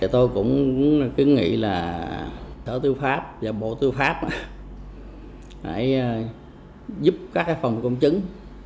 tôi cũng cứ nghĩ là sở tư pháp và bộ tư pháp phải giúp các phòng công chứng